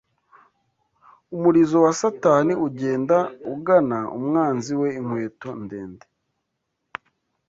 umurizo wa satani ugenda ugana umwanzi we inkweto ndende!